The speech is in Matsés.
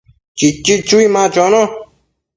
Chichi chui ma chono